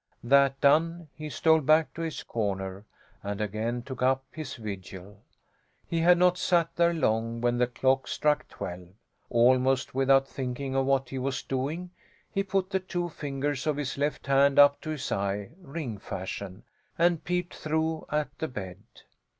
That done, he stole back to his corner and again took up his vigil. He had not sat there long when the clock struck twelve. Almost without thinking of what he was doing he put the two fingers of his left hand up to his eye, ring fashion, and peeped through at the bed.